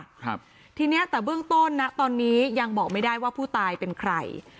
ครับทีเนี้ยแต่เบื้องต้นนะตอนนี้ยังบอกไม่ได้ว่าผู้ตายเป็นใคร